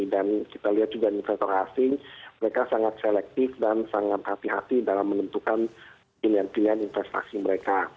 dan kita lihat juga investor asing mereka sangat selektif dan sangat hati hati dalam menentukan pilihan pilihan investasi mereka